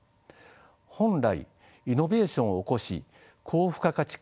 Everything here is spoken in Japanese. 本来イノベーションを起こし高付加価値化